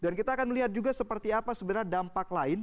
dan kita akan melihat juga seperti apa sebenarnya dampak lain